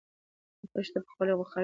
د خښتو پخولو بخارۍ په ډیرو سیمو کې شته.